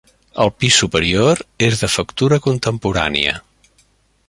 El pis superior és de factura contemporània.